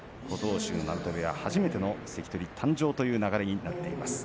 鳴戸部屋、初めての関取誕生ということになっています。